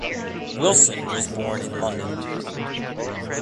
Wilson was born in London.